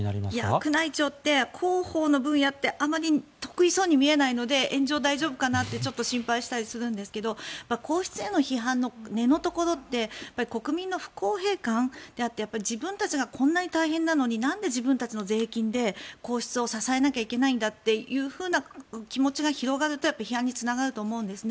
宮内庁って広報の分野ってあまり得意そうに見えないので炎上、大丈夫かなってちょっと心配したりするんですけど皇室への批判の根のところで国民の不公平感と自分たちがこんなに大変なのになんで自分たちの税金で皇室を支えなきゃいけないんだというふうな気持ちが広がると批判につながると思うんですね。